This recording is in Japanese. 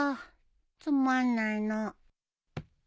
つまんないの。